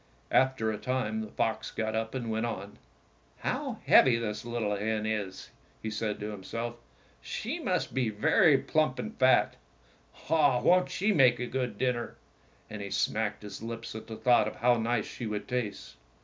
After a time the fox got up and went on. "How heavy this little hen is!" he said to himself. "'She must be very plump and fat. Ah, won't she make a good dinner !" And he smacked his lips at the thought of how nice she would taste.